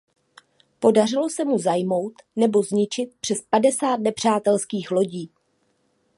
Podařilo se mu zajmout nebo zničit přes padesát nepřátelských lodí.